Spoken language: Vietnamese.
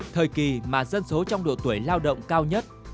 thời kỳ mà dân số trong độ tuổi lao động cao nhất